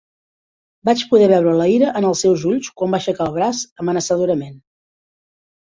Vaig poder veure la ira en els seus ulls quan va aixecar el braç amenaçadorament.